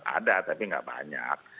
ada tapi nggak banyak